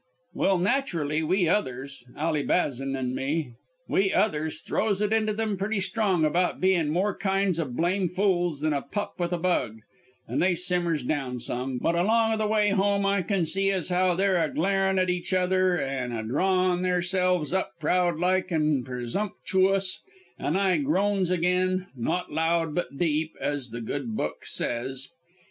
"Well, naturally, we others Ally Bazan an' me we others throws it into 'em pretty strong about bein' more kinds of blame fools than a pup with a bug; an' they simmers down some, but along o' the way home I kin see as how they're a glarin' at each other, an' a drawin' theirselves up proud like an' presumptchoous, an' I groans again, not loud but deep, as the Good Book says.